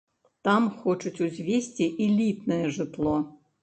Там хочуць узвесці элітнае жытло.